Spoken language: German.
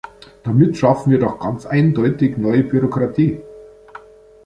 Damit schaffen wir doch ganz eindeutig neue Bürokratie!